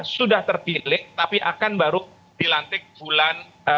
sudah terpilih tapi akan baru dilantik bulan